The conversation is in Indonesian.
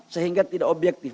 sehingga tidak objektif